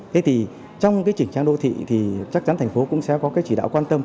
thế thì trong cái chỉnh trang đô thị thì chắc chắn thành phố cũng sẽ có cái chỉ đạo quan tâm